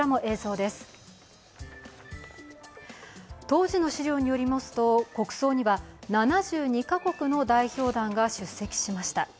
当時の資料によりますと国葬には７２か国の代表団が出席しました。